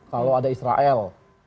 kalau ada israel